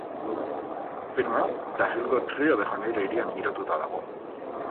Filma, Brasilgo Rio de Janeiro hirian girotuta dago.